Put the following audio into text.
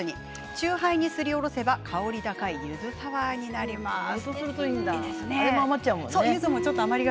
酎ハイにすりおろせば香り高いゆずサワーになりますゆず余っちゃうもんね。